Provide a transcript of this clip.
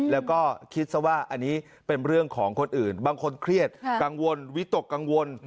แล้วก็คิดซะว่าอันนี้เป็นเรื่องของคนอื่นบางคนเครียดกังวลวิตกกังวล